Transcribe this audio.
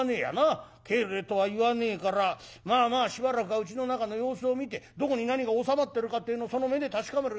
帰れとは言わねえからまあまあしばらくはうちの中の様子を見てどこに何が収まってるかっていうのをその目で確かめるがいい。